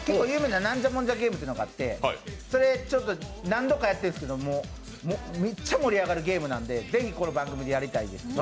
「ナンジャモンジャゲーム」っていうのがあって、何度かやってるんですけどめっちゃ盛り上がるゲームなので是非この番組でやりたいです。